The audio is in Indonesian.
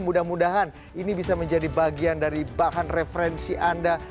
mudah mudahan ini bisa menjadi bagian dari bahan referensi anda